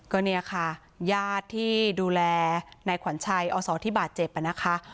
ก็เนี่ยค่ะญาติที่ดูแลในขวัญชัยอศที่บาดเจ็บนะคะ